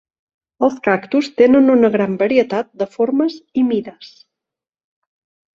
Els cactus tenen una gran varietat de formes i mides.